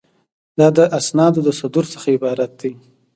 دا د اسنادو د صدور څخه عبارت دی.